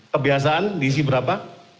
kebiasaan diisi berapa